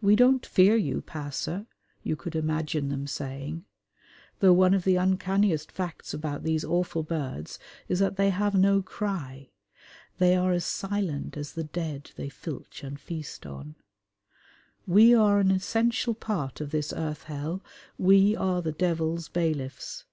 "We don't fear you, passer," you could imagine them saying (though one of the uncanniest facts about these awful birds is that they have no cry: they are as silent as the dead they filch and feast on), "we are an essential part of this earth hell: we are the Devil's bailiffs."